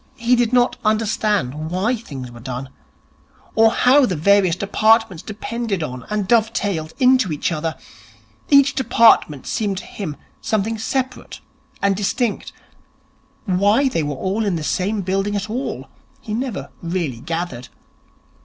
He did not understand why things were done, or how the various departments depended on and dove tailed into one another. Each department seemed to him something separate and distinct. Why they were all in the same building at all he never really gathered.